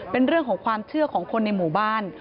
เป็นเรื่องของความเชื่อของคนในหมู่บ้าน